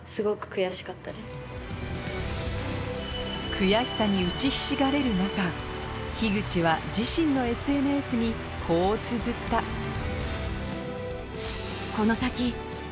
悔しさに打ちひしがれる中口は自身のＳＮＳにこうつづったどう？